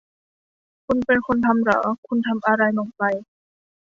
คุณเป็นคนทำหรอ ? คุณทำอะไรลงไป ?